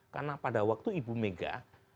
karena pada waktu ibu mega